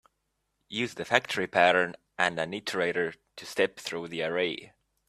Use the factory pattern and an iterator to step through the array.